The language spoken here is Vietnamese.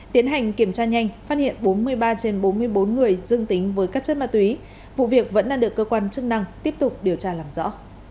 tiến hành kiểm tra nhanh phát hiện bốn mươi ba trên bốn mươi bốn người dương tính với các chất ma túy vụ việc vẫn đang được cơ quan chức năng tiếp tục điều tra làm rõ